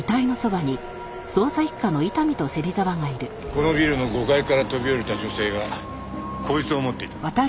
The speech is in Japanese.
このビルの５階から飛び降りた女性がこいつを持っていた。